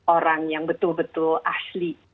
orang yang betul betul asli